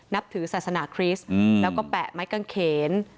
นับถือศาสนาคริสต์แล้วก็แปะไม้กางเขน